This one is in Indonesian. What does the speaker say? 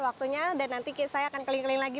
waktunya dan nanti saya akan keliling keliling lagi